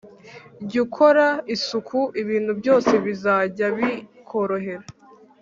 Jyu ukora isuku ibintu byose bizajya bikorohera